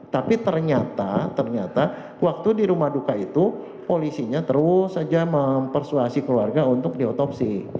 tapi ternyata ternyata waktu di rumah duka itu polisinya terus saja mempersuasi keluarga untuk diotopsi